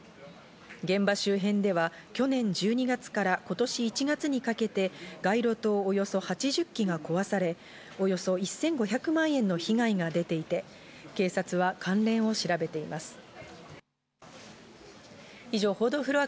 現場周辺では去年１２月から今年１月にかけて街路灯およそ８０基が壊され、およそ１５００万円の被害が出ていて、警察は関連を調べています。